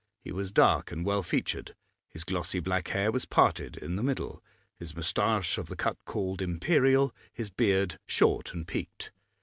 He was dark and well featured, his glossy black hair was parted in the middle, his moustache of the cut called imperial, his beard short and peaked.